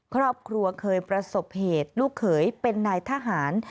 ครอบครัวเคยประสบเหตุลูกเขยเป็นนายทหาร